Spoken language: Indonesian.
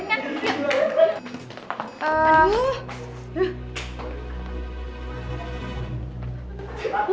kalian ke kantin kan yuk